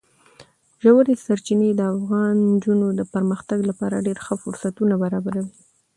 ژورې سرچینې د افغان نجونو د پرمختګ لپاره ډېر ښه فرصتونه برابروي.